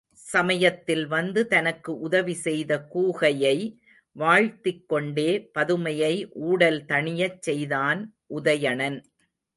சமயத்தில் வந்து தனக்கு உதவி செய்த கூகையை வாழ்த்திக்கொண்டே பதுமையை ஊடல் தணியச் செய்தான் உதயணன்.